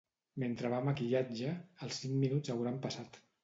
Mentre va a maquillatge, els cinc minuts hauran passat.